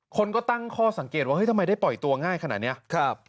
คนก็ตั้งข้อสังเกตว่าทำไมได้ปล่อยตัวง่ายขนาดนี้